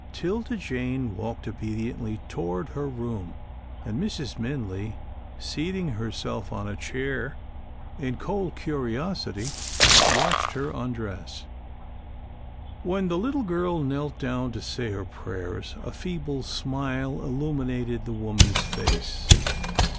'Tilda Jane walked obediently toward her room, and Mrs. Minley, seating herself on a chair in cold curiosity, watched her undress. When the little girl knelt down to say her prayers, a feeble smile illuminated the woman's face.